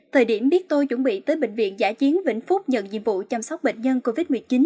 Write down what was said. thời điểm biết tôi chuẩn bị tới bệnh viện giả chiến vĩnh phúc nhận nhiệm vụ chăm sóc bệnh nhân covid một mươi chín